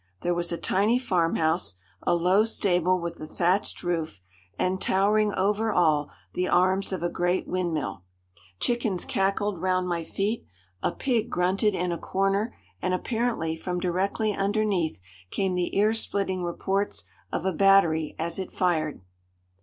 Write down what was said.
There was a tiny farmhouse, a low stable with a thatched roof, and, towering over all, the arms of a great windmill. Chickens cackled round my feet, a pig grunted in a corner, and apparently from directly underneath came the ear splitting reports of a battery as it fired.